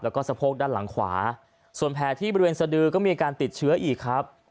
แล้วก็สะโพกด้านหลังขวาส่วนแผลที่บริเวณสดือก็มีการติดเชื้ออีกครับ